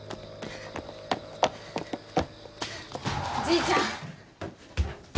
じいちゃん！